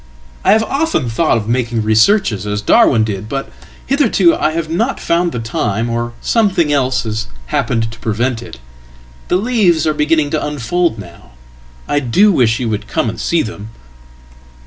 I have often thought of makingresearches as Darwin did. But hitherto I have not found the time, orsomething else has happened to prevent it. The leaves are beginning tounfold now. I do wish you would come and see them!"